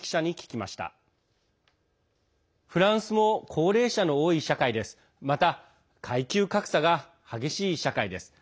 また、階級格差が激しい社会です。